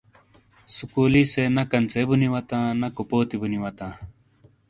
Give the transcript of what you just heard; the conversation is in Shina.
سُکُولی سے نہ کنژے بونی واتاں ، نہ کوپوتی بونی واتاں۔